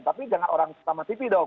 tapi jangan orang sama tv dong